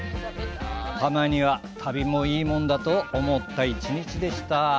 たまには旅もいいもんだと思った１日でした。